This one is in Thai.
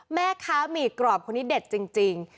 แม่ค้าหมี่กรอบคนนี้เด็ดจริง